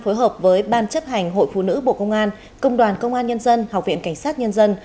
phối hợp với ban chấp hành hội phụ nữ bộ công an công đoàn công an nhân dân học viện cảnh sát nhân dân